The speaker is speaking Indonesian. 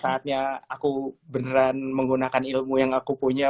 saatnya aku beneran menggunakan ilmu yang aku punya